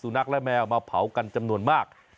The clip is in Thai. ที่จังหวัดอุตรดิษฐ์บริเวณสวนหลังบ้านต่อไปครับ